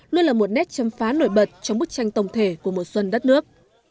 luôn là một nét chấm phá nổi bật trong bức tranh tổng thể của mùa xuân đất nước